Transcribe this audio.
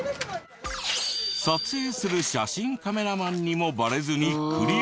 撮影する写真カメラマンにもバレずにクリア。